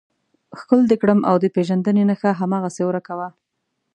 ښکل دې کړم او د پېژندنې نښه هماغسې ورکه وه.